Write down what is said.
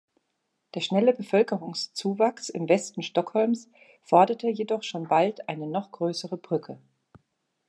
Der schnelle Bevölkerungszuwachs im Westen Stockholms forderte jedoch schon bald eine noch größere Brücke.